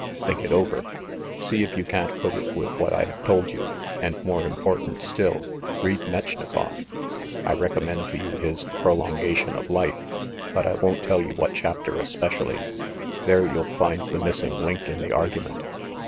"Think it over. See if you can't put it with what I have told you, and, more important still, read Metch nikoff! I recommend to you his Prolongation of Life; but I won't tell you what chapter especially. There you'll find the missing link in the argument.